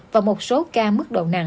và một số ca mức độ nặng